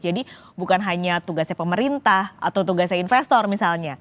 jadi bukan hanya tugasnya pemerintah atau tugasnya investor misalnya